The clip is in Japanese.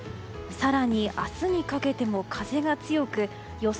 更に、明日にかけても風が強く予想